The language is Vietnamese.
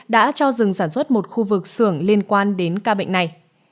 đã cho dừng sản xuất một khu vực xưởng liên quan đến ca bệnh này